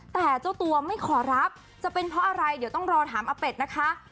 แต่เจ้าตัวไม่ขอรับจะเป็นเพราะอะไรเดี๋ยวต้องรอถามอาเป็ดนะคะ